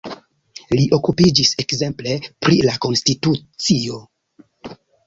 Li okupiĝis ekzemple pri la konstitucio.